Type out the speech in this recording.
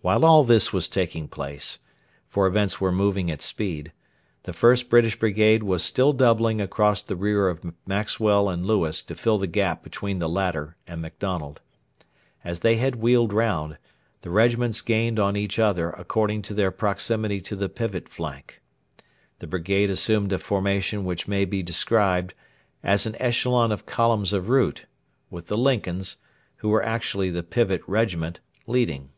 While all this was taking place for events were moving at speed the 1st British Brigade were still doubling across the rear of Maxwell and Lewis to fill the gap between the latter and MacDonald. As they had wheeled round, the regiments gained on each other according to their proximity to the pivot flank. The brigade assumed a formation which may be described as an echelon of columns of route, with the Lincolns, who were actually the pivot regiment, leading.